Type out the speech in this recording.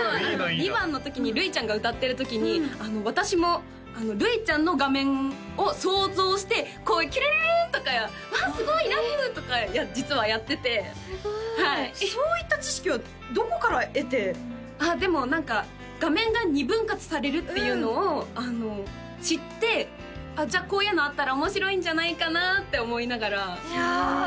２番の時にルイちゃんが歌ってる時に私もルイちゃんの画面を想像してこうキュルルルンとか「わあすごい！ラブ」とか実はやっててすごいそういった知識はどこから得てでも何か画面が２分割されるっていうのを知ってじゃあこういうのあったら面白いんじゃないかなって思いながらへえ